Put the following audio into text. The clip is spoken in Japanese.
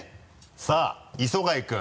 さぁ磯貝君。